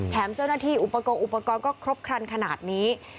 เจ้าหน้าที่อุปกรณ์ก็ครบครันขนาดนี้